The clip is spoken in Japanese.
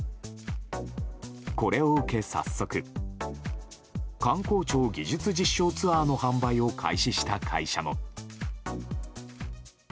これ受け早速観光庁技術実証ツアーの販売を販売を開始した会社も。